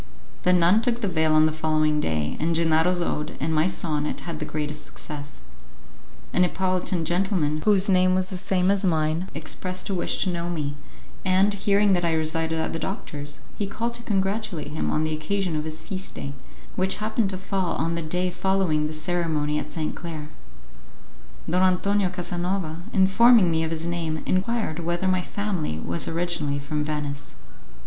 The nun took the veil on the following day, and Gennaro's ode and my sonnet had the greatest success. A Neapolitan gentleman, whose name was the same as mine, expressed a wish to know me, and, hearing that I resided at the doctor's, he called to congratulate him on the occasion of his feast day, which happened to fall on the day following the ceremony at Sainte Claire. Don Antonio Casanova, informing me of his name, enquired whether my family was originally from Venice.